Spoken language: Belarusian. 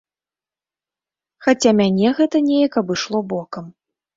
Хаця мяне гэта неяк абышло бокам.